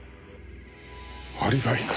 アリバイか？